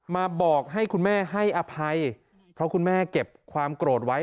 มาบอกให้คุณแม่ให้อภัยเพราะคุณแม่เก็บความโกรธไว้